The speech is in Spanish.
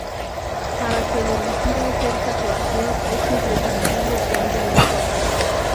Para que el herbicida ejerza su acción, es imprescindible que haya luz solar.